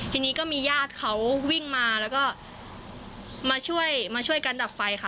ทีนี้ก็มีญาติเขาวิ่งมาแล้วก็มาช่วยมาช่วยกันดับไฟค่ะ